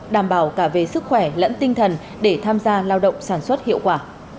đảm bảo cả về sức khỏe lẫn tinh thần để tham gia lao động sản xuất hiệu quả